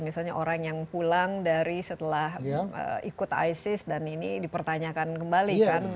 misalnya orang yang pulang dari setelah ikut isis dan ini dipertanyakan kembali kan